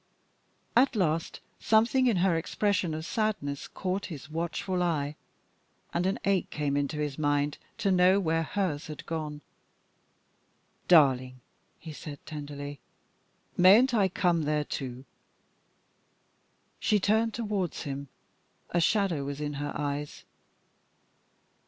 At last something in her expression of sadness caught his watchful eye, and an ache came into his mind to know where hers had gone. "Darling," he said tenderly, "mayn't I come there, too?" She turned towards him a shadow was in her eyes.